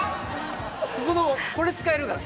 ここのこれ使えるから。